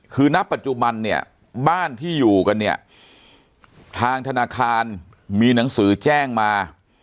คือณปัจจุบันเนี่ยบ้านที่อยู่กันเนี่ยทางธนาคารมีหนังสือแจ้งมา